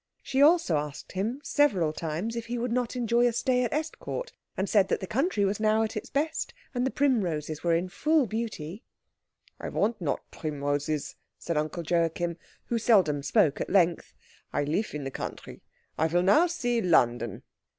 She also asked him several times if he would not enjoy a stay at Estcourt, and said that the country was now at its best, and the primroses were in full beauty. "I want not primroses," said Uncle Joachim, who seldom spoke at length; "I live in the country. I will now see London."